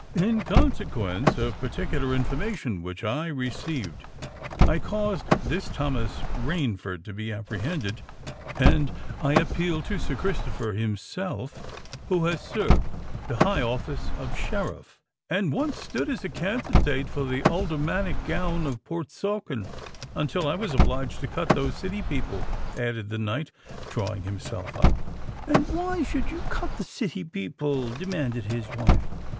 "In consequence of particular information which I received, I caused this Thomas Rainford to be apprehended; and I appeal to Sir Christopher himself—who has served the high office of Sheriff——" "And once stood as a candidate for the aldermanic gown of Portsoken, until I was obliged to cut those City people," added the knight, drawing himself up. "And why should you cut the City people?" demanded his wife.